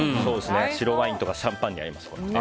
白ワインとかシャンパンに合いますね。